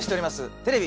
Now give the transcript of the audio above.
テレビ